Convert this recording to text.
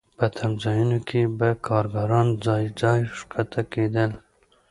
په تمځایونو کې به کارګران ځای ځای ښکته کېدل